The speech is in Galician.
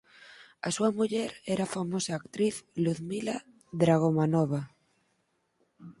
A súa muller era a famosa actriz Ludmila Dragomanova.